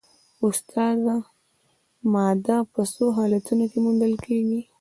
استاده ماده په څو حالتونو کې موندل کیږي